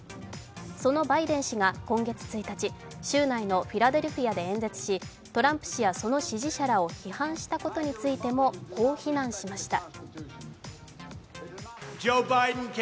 そのバイデン氏が今月１日、州内のフィラデルフィアで演説しトランプ氏やその支持者らを批判したことについてもこう非難しました。